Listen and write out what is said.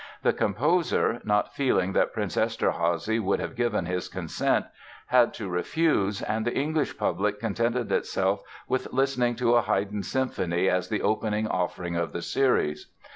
The composer, not feeling that Prince Eszterházy would have given his consent, had to refuse and the English public contented itself with listening to a Haydn symphony as the opening offering of the series.